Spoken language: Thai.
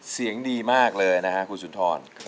เสียงดีมากเลยนะฮะคุณสุนทร